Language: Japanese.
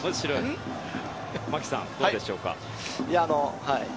牧さん、どうでしょうか。